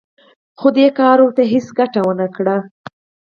خو دې کار ورته هېڅ ګټه ونه کړه